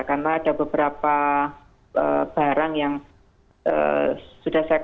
karena ada beberapa barang yang sudah saya kontrol